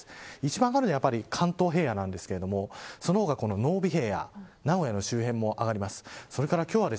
一番暖かいのは関東平野なんですがその他、濃尾平野名古屋周辺も上がります。